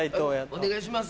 お願いします。